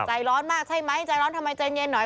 ใจร้อนมากใช่ไหมใจร้อนทำไมใจเย็นหน่อย